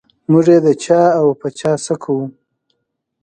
موږ یې د چا او په چا څه کوو.